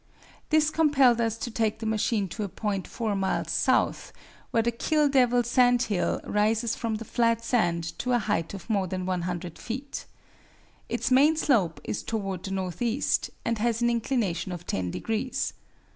This compelled us to take the machine to a point four miles south, where the Kill Devil sand hill rises from the flat sand to a height of more than 100 feet. Its main slope is toward the northeast, and has an inclination of 10 degrees.